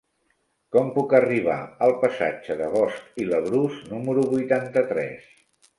Com puc arribar al passatge de Bosch i Labrús número vuitanta-tres?